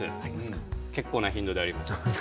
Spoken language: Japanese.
結構な頻度であります。